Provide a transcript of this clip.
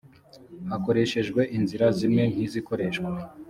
hakoreshejwe inzira zimwe nk izikoreshwa